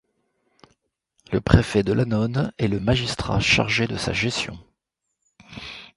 Le préfet de l'annone est le magistrat chargé de sa gestion.